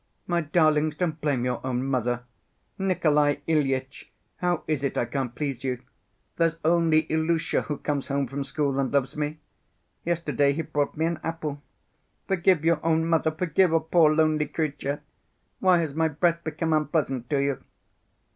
My darlings, don't blame your own mother! Nikolay Ilyitch, how is it I can't please you? There's only Ilusha who comes home from school and loves me. Yesterday he brought me an apple. Forgive your own mother—forgive a poor lonely creature! Why has my breath become unpleasant to you?"